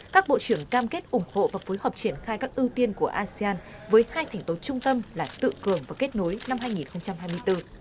các bộ trưởng cam kết ủng hộ và phối hợp triển khai các ưu tiên của asean với hai thành tố trung tâm là tự cường và kết nối năm hai nghìn hai mươi bốn